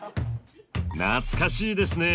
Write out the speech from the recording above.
懐かしいですね。